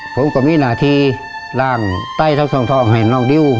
ผมก็มีหน้าที่ล่างไต้ท่องให้น้องดิว